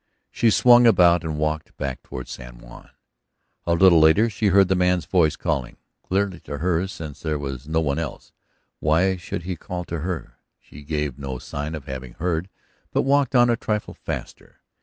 She swung about and walked back toward San Juan. A little later she heard the man's voice, calling. Clearly to her, since there was no one else. Why should he call to her? She gave no sign of having heard, but walked on a trifle faster.